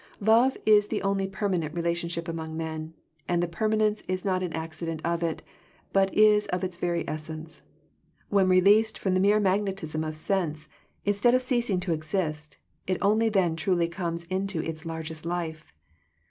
Love is the only permanent relation ship among men, and the permanence is not an accident of it, but is of its very essence. When released from the mere magnetism of sense, instead of ceasing to exist, it only then truly comes into its largest life.